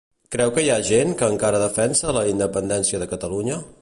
Creu que hi ha gent que encara defensa la independència de Catalunya?